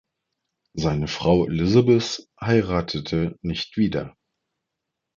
Seine Frau Elisabeth heiratete nicht wieder.